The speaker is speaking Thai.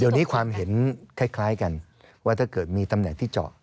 เดี๋ยวนี้ความเห็นคล้ายกันว่าถ้าเกิดมีตำแหน่งที่เจาะ